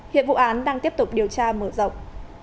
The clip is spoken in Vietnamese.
hiện vụ án đang tiếp tục điều tra mở rộng